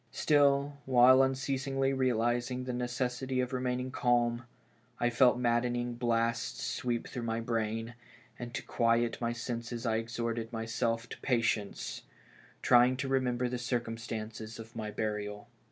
Still, while unceas ingly realizing the necessity of remaining calm, I felt maddening blasts sweep through my brain, and to quiet my senses I exhorted myself to patience, trying to 268 BURIED ALIVE. rememLer the circumstances of my burial.